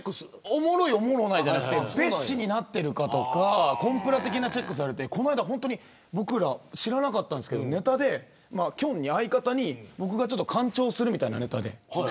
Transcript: おもろい、おもろないじゃなくて蔑視になってるかとかコンプラ的なチェックをされてこの間、知らなかったんですけど相方に僕がカンチョーするみたいなネタで。